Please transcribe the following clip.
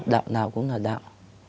đạo nào cũng là đạo